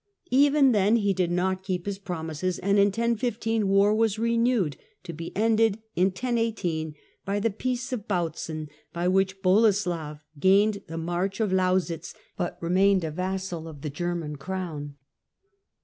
Even then he did not keep his promises, and in 1015 war was renewed, to be ended, in 1018, by the Peace of Bautzen, by which Boleslav gained the march of Lausitz, but remained a vassal of the German crown.